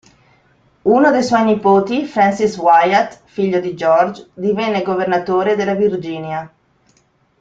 Uno dei suoi nipoti, Francis Wyatt, figlio di George, divenne governatore della Virginia.